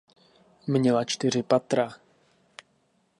Měla čtyři patra.